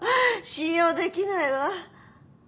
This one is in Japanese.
信用できないわ。